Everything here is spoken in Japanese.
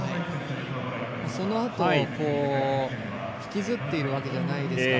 そのあと、引きずっているわけではないですから。